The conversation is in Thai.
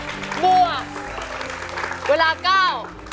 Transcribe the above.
แต่บัวเวลาก้าว